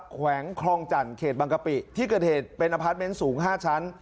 แขวงคลองจันทร์เขตบางกะปิที่เกิดเหตุเป็นอพาร์ทเมนต์สูง๕ชั้น